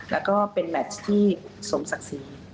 แล้วก็เป็นแมทที่สมศักดิ์ศรี